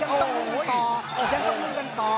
ยังต้องลืมกันต่อ